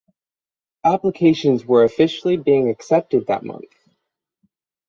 Applications were officially being accepted that month.